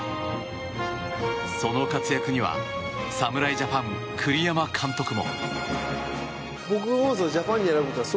その活躍には侍ジャパン、栗山監督も。